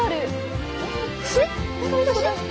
何か見たことある。